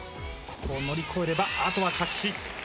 ここを乗り越えれば、あとは着地。